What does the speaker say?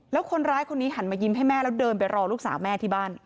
แล้วคนร้ายคนนี้หันมายิ้มให้แม่แล้วเดินไปรอลูกสาวแม่ที่บ้าน